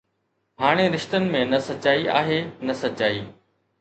هاڻي رشتن ۾ نه سچائي آهي نه سچائي